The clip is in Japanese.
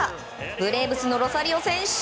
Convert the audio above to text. ブレーブスのロサリオ選手。